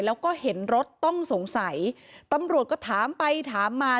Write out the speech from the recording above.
แล้วก็เห็นรถต้องสงสัยตำรวจก็ถามไปถามมา